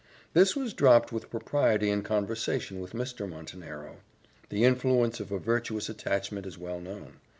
This was dropped with propriety in conversation with Mr. Montenero. The influence of a virtuous attachment is well known.